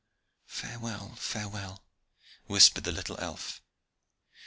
"Farewell, farewell," whispered the little elf.